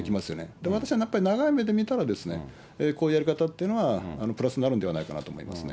でも私はやっぱり長い目で見たら、こういうやり方はプラスになるんではないかなと思います。